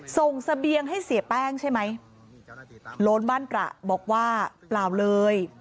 เสบียงให้เสียแป้งใช่ไหมโลนบ้านตระบอกว่าเปล่าเลย